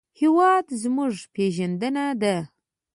هېواد زموږ پېژندنه ده